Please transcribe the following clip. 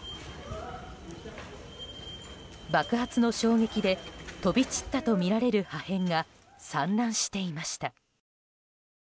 爆発の衝撃で飛び散ったとみられる破片が散乱していました。